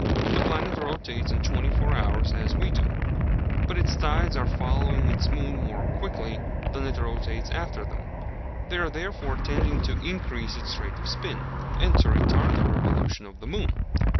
The planet rotates in twenty four hours as we do; but its tides are following its moon more quickly than it rotates after them; they are therefore tending to increase its rate of spin, and to retard the revolution of the moon.